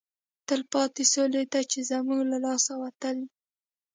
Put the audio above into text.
تلپاتې سولې ته چې زموږ له لاسه وتلی